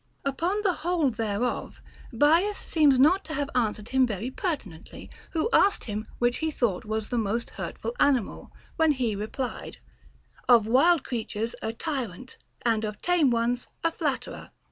Upon the whole thereof, Bias seems not to have an swered him very pertinently, who asked him which he thought was the most hurtful animal, when he replied, Of wild creatures a tyrant, and of tame ones a flatterer.